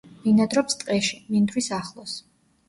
ბინადრობს ტყეში, მინდვრის ახლოს.